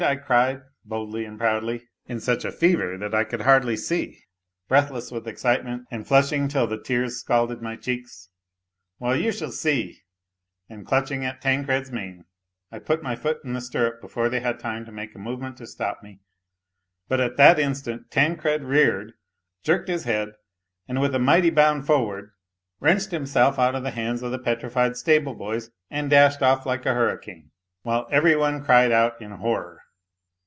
" I cried, boldly and proudly, in such a fever that I could hardly see, breathless with excitement, and flushing till the tears scalded my cheeks. " Well, you shall see 1 " And clutching at Tancred's mane I put my foot in the A LITTLE HERO 245 stirrup before they had time to make a movement to stop me; but at that instant Tancred reared, jerked his head, and with a mighty bound forward wrenched himself out of the hands of the petrified stable boys, and dashed off like a hurricane, while every one cried out in horror.